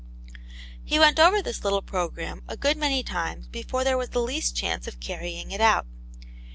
He went over this little programme a good many times before there was the least chance of carrying it out.